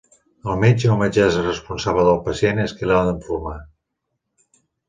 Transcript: El metge o metgessa responsable del pacient és qui l'ha d'informar.